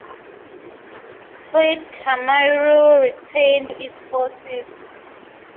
Plaid Cymru retained its four seats.